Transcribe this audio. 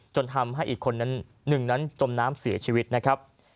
จนทำให้อีกคนนั้นหนึ่งนั้นจมน้ำเสียชีวิตนะครับ